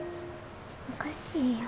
おかしいよ。